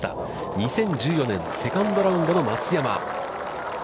２０１４年、セカンドラウンドの松山。